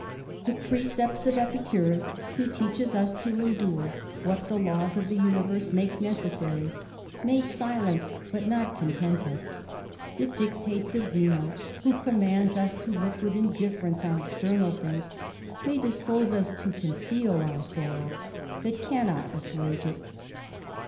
The precepts of Epicurus, who teaches us to ^*idme what the laws of the universe make necessary, may sil€aoe but not content us. The dictates of Zeno, who ^*3fminands us to look with indifference on external things, ''^dispose us to conceal our sorrow, but cannot assuage 302 THE IDLER. it.